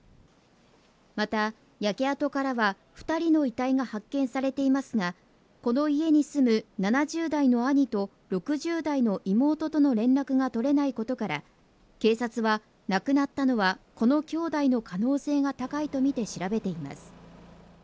また、焼け跡からは２人の遺体が発見されていますが、この家に住む７０代の兄と６０代の妹との連絡が取れないことから、警察は、亡くなったのは、この兄弟の可能性が高いとみて調べています。